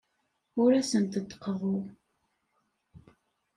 Ur asent-d-qeḍḍuɣ.